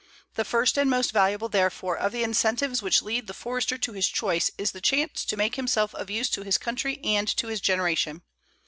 The first and most valuable, therefore, of the incentives which lead the Forester to his choice is the chance to make himself of use to his country and to his generation.